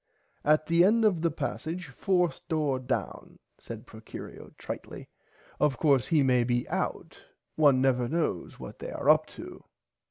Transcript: At the end of the passage fourth door down said Procurio tritely of course he may be out one never knows what they are up to.